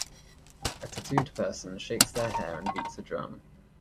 A tatooed person shakes their hair and beats a drum.